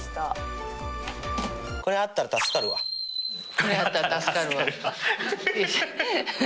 「これあったら助かるわ」。